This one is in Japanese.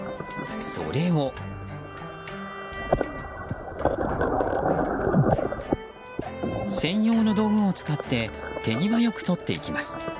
それを、専用の道具を使って手際よくとっていきます。